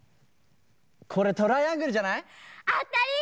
これトライアングルじゃない？あたり！